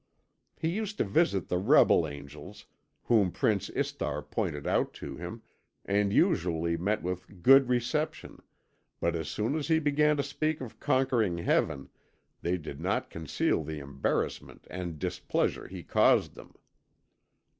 He used to visit the rebel angels whom Prince Istar pointed out to him, and usually met with a good reception, but as soon as he began to speak of conquering Heaven, they did not conceal the embarrassment and displeasure he caused them.